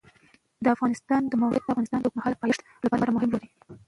د افغانستان د موقعیت د افغانستان د اوږدمهاله پایښت لپاره مهم رول لري.